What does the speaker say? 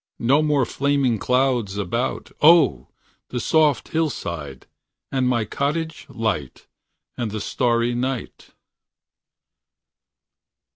No more flaming clouds 0! the soft hillside. And my cottage light. And the starry night.